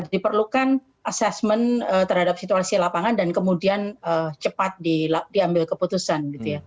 kita perlu mencari pengetahuan terhadap situasi lapangan dan kemudian cepat diambil keputusan